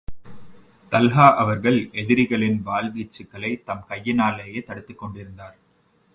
Talha அவர்கள் எதிரிகளின் வாள் வீச்சுக்களைத் தம் கையினாலேயே தடுத்துக் கொண்டிருந்தனர்.